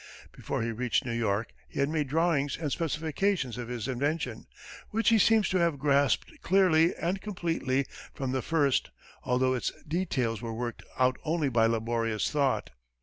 Before he reached New York, he had made drawings and specifications of his invention, which he seems to have grasped clearly and completely from the first, although its details were worked out only by laborious thought.